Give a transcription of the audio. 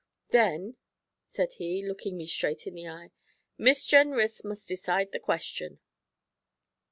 'Then,' said he, looking me straight in the eye, 'Miss Jenrys must decide the question.'